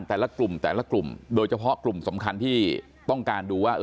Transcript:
แต่ละกลุ่มแต่ละกลุ่มโดยเฉพาะกลุ่มสำคัญที่ต้องการดูว่า